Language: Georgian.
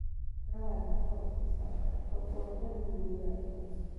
მრავალი აფორიზმი საერთოდ ფოლკლორიდან მიმდინარეობს.